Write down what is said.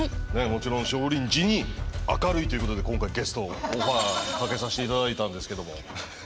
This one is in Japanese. もちろん少林寺に明るいということで今回ゲストのオファーかけさして頂いたんですけども。